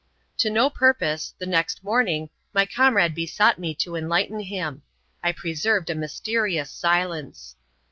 To no purpose, the next morning, my comrade besought me to enlighten him : I preserved a mysterious silence.